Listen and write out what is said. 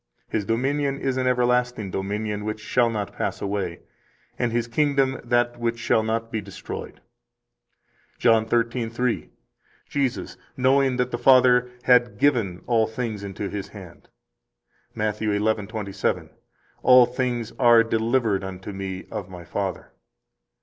His dominion is an everlasting dominion, which shall not pass away, and His kingdom that which shall not be destroyed. 21 John 13:3: Jesus knowing that the Father had given all things into His hand. 22 Matt. 11:27: All things are delivered unto Me of My Father.